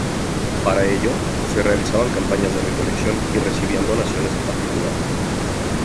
Para ello, se realizaban campañas de recolección y recibían donaciones de particulares.